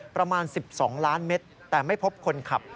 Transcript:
ประมาณ๑๒ล้านเมตรแต่ไม่พบคนขับ